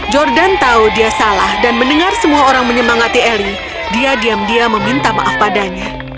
jordan tahu dia salah dan mendengar semua orang menyemangati eli dia diam diam meminta maaf padanya